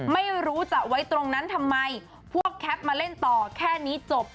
ไม่รู้จะไว้ตรงนั้นทำไมพวกแคปมาเล่นต่อแค่นี้จบ